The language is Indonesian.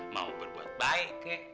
mau berbuat baik kek